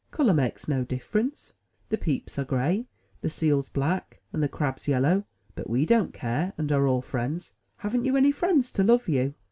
*'Color makes no difference; the peeps are gray, the seals black, and the crabs yellow; but we don't care, and are all friends. Haven't you any friends to love you?"